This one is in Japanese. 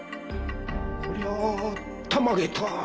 こりゃあたまげた！